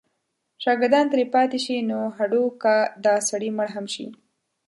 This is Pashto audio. شاګردان ترې پاتې شي نو هډو که دا سړی مړ هم شي.